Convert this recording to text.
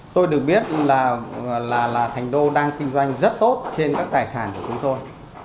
tôi được biết là thành đô đang kinh doanh rất tốt trên các tài sản của chúng tôi